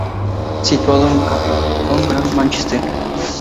Situado en Carrington, Gran Mánchester.